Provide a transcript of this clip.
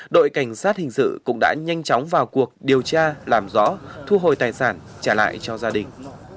đội cảnh sát hình sự cũng đã nhanh chóng vào cuộc điều tra làm rõ thu hồi tài sản trả lại cho gia đình